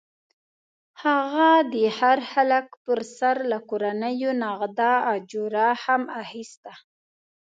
هغه د هر هلک پر سر له کورنیو نغده اجوره هم اخیسته.